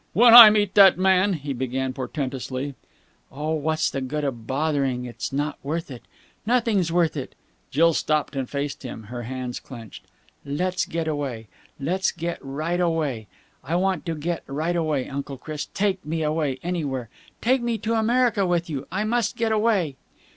"When I meet that man...." he began portentously. "Oh, what's the good of bothering! It's not worth it! Nothing's worth it!" Jill stopped and faced him, her hands clenched. "Let's get away! Let's get right away! I want to get right away, Uncle Chris! Take me away! Anywhere! Take me to America with you! I must get away!"